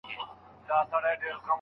د ابليس پندونه